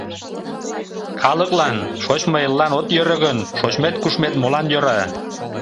Калыклан, шочмо эллан от йӧрӧ гын, шочмет-кушмет молан йӧра!